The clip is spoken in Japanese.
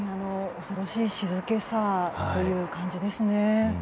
恐ろしい静けさという感じですね。